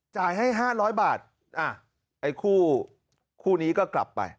จ่ายให้๕๐๐บาทไอ้คู่นี้ก็กลับไป